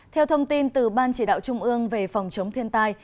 theo thông tin từ ban chỉ đạo trung ương về phòng chống thiên tai